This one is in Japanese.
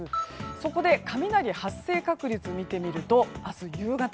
そこで雷発生確率を見てみると明日夕方。